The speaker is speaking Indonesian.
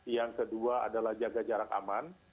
yang kedua adalah jaga jarak aman